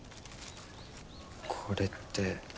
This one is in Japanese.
これって。